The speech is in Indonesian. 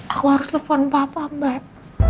aku harus telepon papa mbak